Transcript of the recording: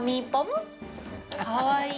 かわいい。